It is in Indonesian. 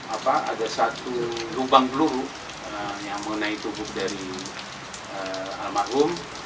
apa ada satu lubang peluru yang mengenai tubuh dari almarhum